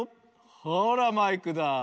ほらマイクだ！